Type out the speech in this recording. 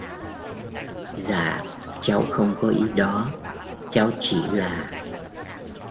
Dạ Cháu không có ý đó cháu chỉ là